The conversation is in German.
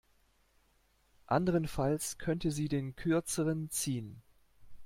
Anderenfalls könnte sie den Kürzeren ziehen.